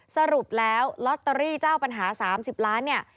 สรุปแล้วลอตเตอรี่เจ้าปัญหา๓๐ล้านเนี่ย